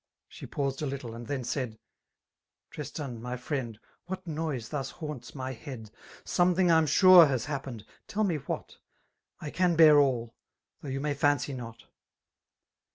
'*»« 4%e paused a little, and then said ^" Tristan— my friend^ what noise thus haunts mjr head? '' Something rmsnrehashi^pened *4ell me what*^* " I can bear aU^ though you may fancy not.